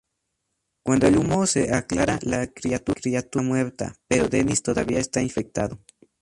Cuando el humo se aclara, la criatura está muerta, pero Dennis todavía está infectado.